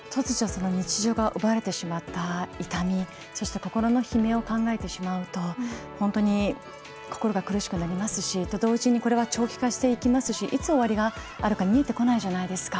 日常が奪われてしまった痛み、そして心の悲鳴を考えてしまうと本当に心が苦しくなりますし同時にこれは長期化してきますしいつ終わりがあるか見えてこないじゃないですか。